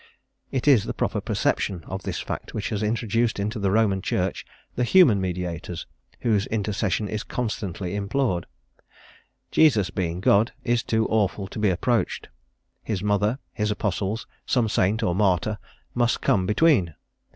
It is the proper perception of this fact which has introduced into the Roman Church the human mediators whose intercession is constantly implored. Jesus, being God, is too awful to be approached: his mother, his apostles, some saint or martyr, must come between.